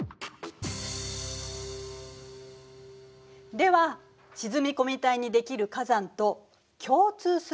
では沈み込み帯にできる火山と共通するところは？